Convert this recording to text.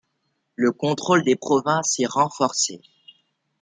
Le contrôle des provinces est renforcé.